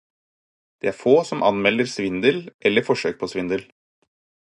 Det er få som anmelder svindel eller forsøk på svindel.